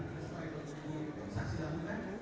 itu saya bisa kembali